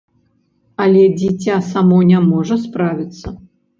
Але дзіця само не можа справіцца.